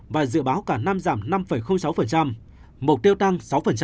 và dự báo cả năm giảm năm sáu mục tiêu tăng sáu